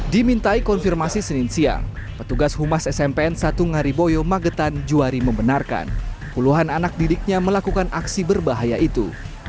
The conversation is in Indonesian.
dimintai konfirmasi senin siang petugas humas smpn satu ngariboyo magetan juwari membenarkan puluhan anak didiknya melakukan aksi berbahaya itu